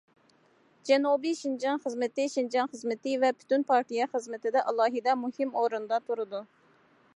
جەنۇبىي شىنجاڭ خىزمىتى شىنجاڭ خىزمىتى ۋە پۈتۈن پارتىيە خىزمىتىدە ئالاھىدە مۇھىم ئورۇندا تۇرىدۇ.